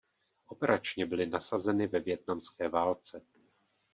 Operačně byly nasazeny ve vietnamské válce.